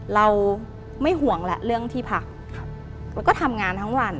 เราไม่ห่วงแหละเรื่องที่พักแล้วก็ทำงานทั้งวัน